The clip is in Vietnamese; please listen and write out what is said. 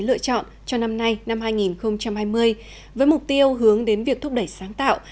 lựa chọn cho năm nay năm hai nghìn hai mươi với mục tiêu hướng đến việc thúc đẩy sáng tạo